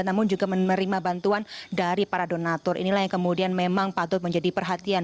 namun juga menerima bantuan dari para donatur inilah yang kemudian memang patut menjadi perhatian